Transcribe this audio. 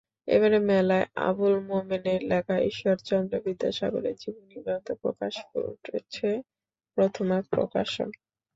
এবারের মেলায় আবুল মোমেনের লেখা ঈশ্বরচন্দ্র বিদ্যাসাগরের জীবনীগ্রন্থ প্রকাশ করেছে প্রথমা প্রকাশন।